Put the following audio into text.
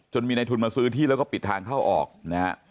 มีในทุนมาซื้อที่แล้วก็ปิดทางเข้าออกนะฮะ